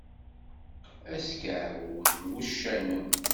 Askeɛwec n uccanen.